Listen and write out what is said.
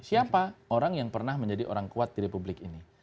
siapa orang yang pernah menjadi orang kuat di republik ini